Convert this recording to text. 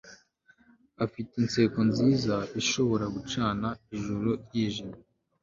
Afite inseko nziza ishobora gucana ijoro ryijimye